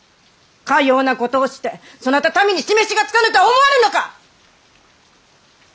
かようなことをしてそなた民に示しがつかぬとは思わぬのか！